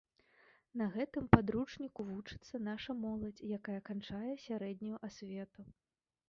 На гэтым падручніку вучыцца наша моладзь, якая канчае сярэднюю асвету.